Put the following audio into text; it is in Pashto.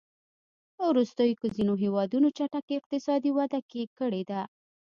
په وروستیو کې ځینو هېوادونو چټکې اقتصادي وده کړې ده.